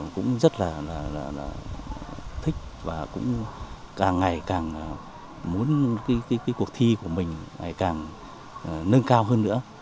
cũng rất là thích và cũng càng ngày càng muốn cái cuộc thi của mình ngày càng nâng cao hơn nữa